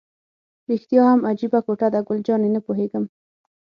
رښتیا هم عجیبه کوټه ده، ګل جانې: نه پوهېږم.